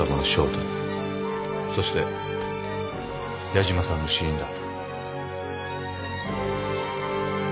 そして矢島さんの死因だ。